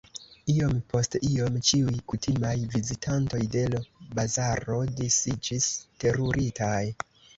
Iom post iom ĉiuj kutimaj vizitantoj de l' bazaro disiĝis teruritaj.